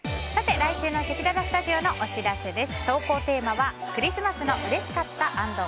来週のせきららスタジオのお知らせです。